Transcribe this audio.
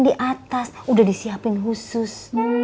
di atas udah disiapin khusus